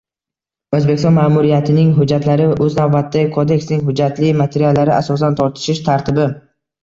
O'zbekiston Ma'muriyatining hujjatlari, o'z navbatida, Kodeksning hujjatli materiallari, asosan, tortishish tartibi